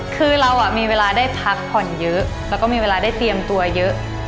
คือเรามีเวลาได้พักผ่อนเยอะแล้วก็มีเวลาได้เตรียมตัวเยอะ